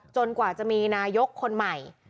กว่าจะมีนายกคนใหม่